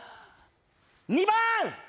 ２番！